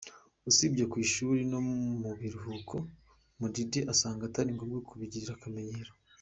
Usibye ku ishuri no mu biruhuko, Mudidi asanga atari ngombwa kubigira akamenyero.